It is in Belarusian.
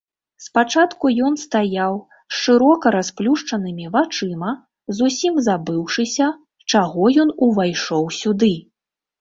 Спачатку ён стаяў з шырока расплюшчанымі вачыма, зусім забыўшыся, чаго ён увайшоў сюды.